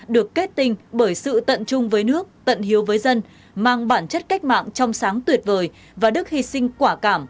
được kết tinh bởi sự tận chung với nước tận hiếu với dân mang bản chất cách mạng trong sáng tuyệt vời và đức hy sinh quả cảm